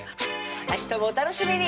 明日もお楽しみに